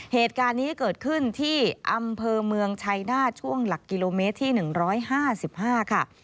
เหตุการณ์นี้เกิดขึ้นที่อำเภอเมืองชัยหน้าช่วงหลักกิโลเมตรที่๑๕๕ค่ะ